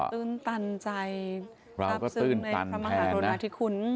ตื่นตันใจทราบซึ้งในพระมหากรุณาธิคุณ